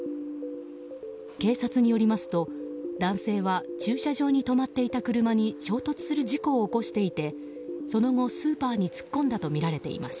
警察によりますと男性は駐車場に止まっていた車に衝突する事故を起こしていてその後、スーパーに突っ込んだとみられています。